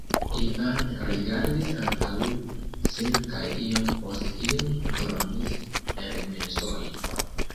Ivan rigardis antaŭ sin kaj iom post iom dronis en pensojn.